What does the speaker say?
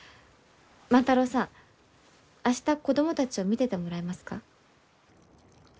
万太郎さん明日子供たちを見ててもらえますか？